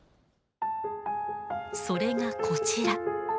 それがこちら。